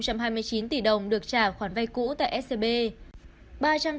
cụ thể năm mươi bảy hai mươi chín tỷ đồng được trả khoản vay cũ tại scb